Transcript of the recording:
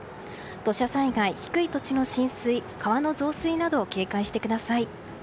土砂災害、低い土地の浸水川の増水など警戒してください。